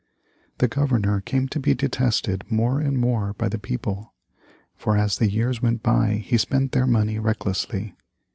The Governor came to be detested more and more by the people, for as the years went by he spent their money recklessly.